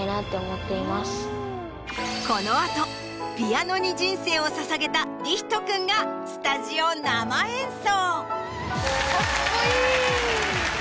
この後ピアノに人生をささげた凛仁くんがスタジオ生演奏！